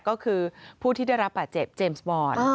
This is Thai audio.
ก็คือผู้ที่ได้รับบาดเจ็บเจมส์บอล